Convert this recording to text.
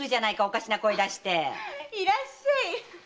いらっしゃい！